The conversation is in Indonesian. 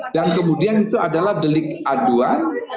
dan kemudian itu adalah delik aduan